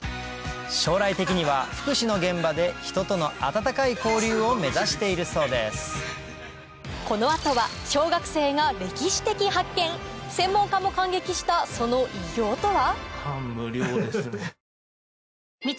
将来的には福祉の現場で人との温かい交流を目指しているそうです専門家も感激したその偉業とは？